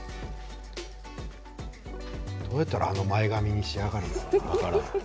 どうやったらあの前髪に仕上がるのか分からん。